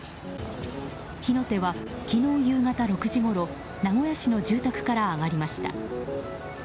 火の手は昨日夕方６時ごろ名古屋市の住宅から上がりました。